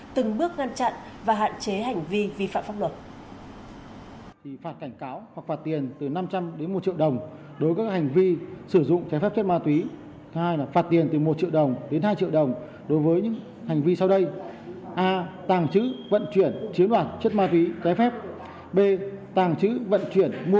từng bước ngăn chặn và hạn chế hành vi vi phạm pháp luật